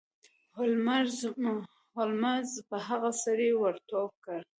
هولمز په هغه سړي ور ټوپ کړ.